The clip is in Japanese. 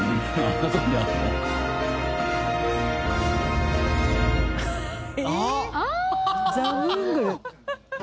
「元ザブングル」。